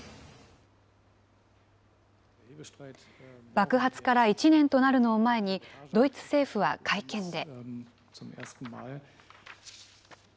爆発から１年となるのを前に、ドイツ政府は会見で。